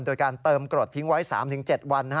โดยการเติมกรดทิ้งไว้๓๗วัน